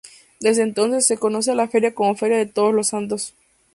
Desde entonces, se conoce a la feria como Feria de Todos los Santos.